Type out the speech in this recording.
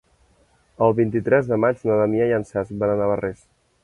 El vint-i-tres de maig na Damià i en Cesc van a Navarrés.